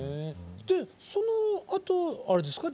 でそのあとあれですか？